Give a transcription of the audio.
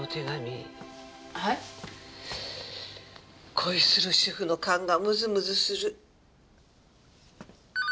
恋する主婦の勘がむずむずする。